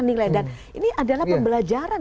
nilai dan ini adalah pembelajaran